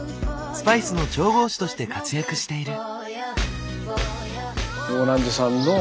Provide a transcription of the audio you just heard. スパイスの調合師として活躍している。